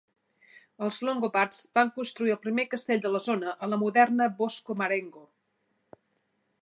Els longobards van construir el primer castell de la zona a la moderna Bosco Marengo.